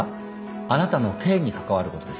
あなたの刑に関わることです。